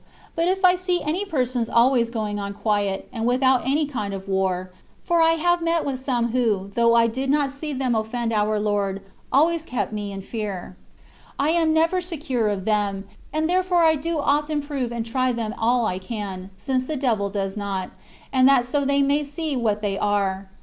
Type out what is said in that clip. But if I see any persons always going on quiet, and without any kind of war (for I have met with some who, though I did not see them o£Fend our Lord, always kept me in fear), I am never secure of them, and therefore I do often prove and try them all I can (since the devil does not), that so they may see what they are.